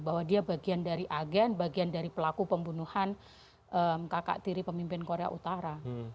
bahwa dia bagian dari agen bagian dari pelaku pembunuhan kakak tiri pemimpin korea utara